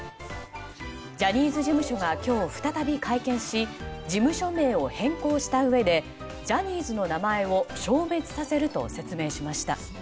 ジャニーズ事務所が今日、再び会見し事務所名を変更したうえでジャニーズの名前を消滅させると説明しました。